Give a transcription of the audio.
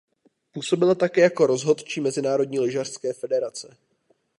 Působila také jako rozhodčí Mezinárodní lyžařské federace.